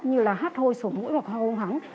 như hắt hơi sổ mũi hoặc hô hắng